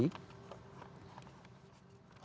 agar kemudian pemerintah kembali